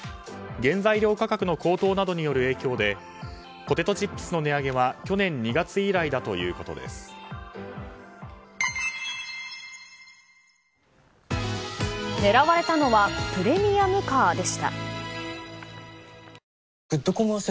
原材料価格の高騰などによる影響でポテトチップスの値上げは去年２月以来だということです。